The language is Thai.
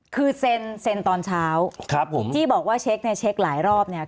คือเซ็นตอนเช้าจี้บอกว่าเช็คเนี่ยเช็คหลายรอบเนี่ย